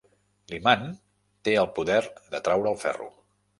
L'imant té el poder d'atreure el ferro.